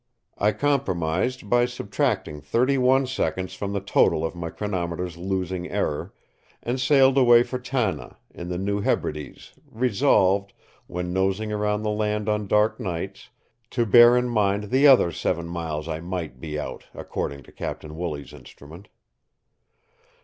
I compromised by subtracting thirty one seconds from the total of my chronometer's losing error, and sailed away for Tanna, in the New Hebrides, resolved, when nosing around the land on dark nights, to bear in mind the other seven miles I might be out according to Captain Wooley's instrument.